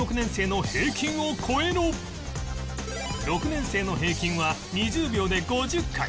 ６年生の平均は２０秒で５０回